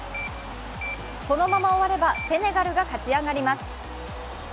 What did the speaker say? このまま終わればセネガルが勝ち上がります。